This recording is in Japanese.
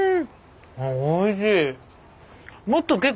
あおいしい！